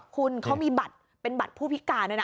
คุณเขามีบัตรเป็นบัตรผู้พิการด้วยนะ